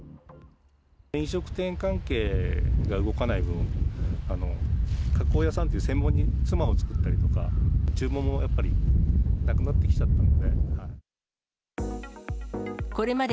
飲食店関係が動かない分、加工屋さんとか専門にツマを作ったりとか、注文もやっぱりなくなってきちゃったので。